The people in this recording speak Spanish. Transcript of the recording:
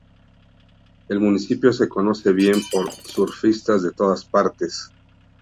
El municipio se conoce bien por surfistas de todas partes.